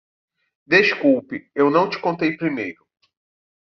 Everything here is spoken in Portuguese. Desculpe, eu não te contei primeiro.